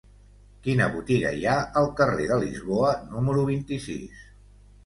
Quina botiga hi ha al carrer de Lisboa número vint-i-sis?